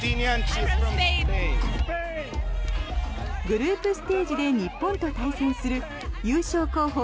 グループステージで日本と対戦する優勝候補